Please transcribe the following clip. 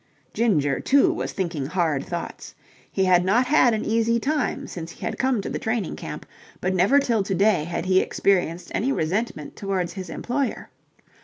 Ginger, too, was thinking hard thoughts. He had not had an easy time since he had come to the training camp, but never till to day had he experienced any resentment towards his employer.